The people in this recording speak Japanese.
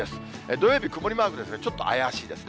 土曜日曇りマークですが、ちょっと怪しいですね。